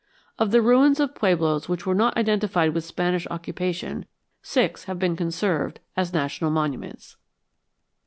Of the ruins of pueblos which were not identified with Spanish occupation, six have been conserved as national monuments.